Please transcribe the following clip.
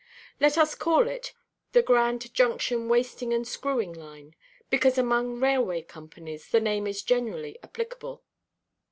Let us call it the "Grand Junction Wasting and Screwing Line;" because among railway companies the name is generally applicable.